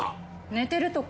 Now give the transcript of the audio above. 寝てるとか？